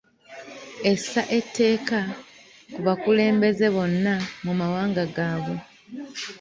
Essa etteeka ku bakulembeze bonna mu mawanga gaabwe.